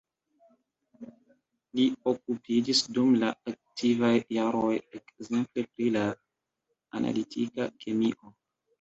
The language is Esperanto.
Li okupiĝis dum la aktivaj jaroj ekzemple pri la analitika kemio.